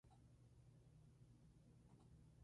Raramente se otorga a suboficiales y tropa.